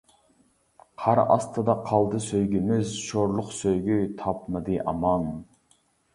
قار ئاستىدا قالدى سۆيگۈمىز، شورلۇق سۆيگۈ تاپمىدى ئامان.